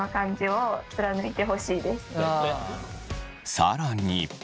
更に。